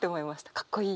かっこいい。